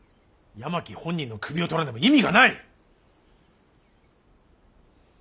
山木本人の首を取らねば意味がない。